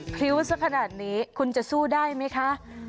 พริ้วสักขนาดนี้คุณจะสู้ได้ไหมคะ